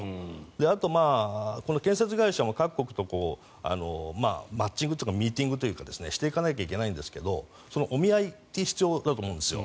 あと、建設会社も各国とマッチングというかミーティングというかしていかないといけないんですがそのお見合いって必要だと思うんですよ。